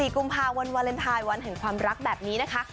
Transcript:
กุมภาวันวาเลนไทยวันแห่งความรักแบบนี้นะคะ